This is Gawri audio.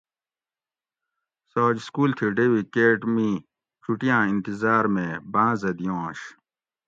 سہ آج سکول تھی ڈیوی کیٹ می چھٹیاں انتظار مے بانزہ دیونش